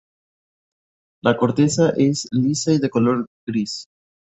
La corteza es lisa y de color gris.